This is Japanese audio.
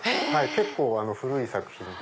結構古い作品で。